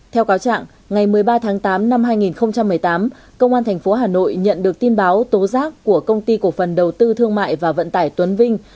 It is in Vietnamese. theo cáo trạng ngày một mươi ba tháng tám năm hai nghìn một mươi tám công an tp hà nội nhận được tin báo tố giác của công ty cổ phần đầu tư thương mại và vận tải tuấn vinh